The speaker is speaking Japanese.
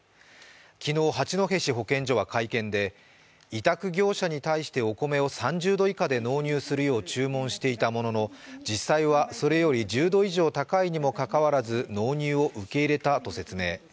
昨日、八戸市保健所は会見で、委託業者に対してお米を３０度以下で納入するよう注文していたものの、実際はそれより１０度以上高いにもかかわらず納入を受け入れたと説明。